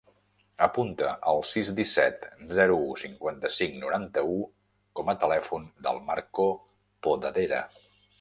Apunta el sis, disset, zero, u, cinquanta-cinc, noranta-u com a telèfon del Marco Podadera.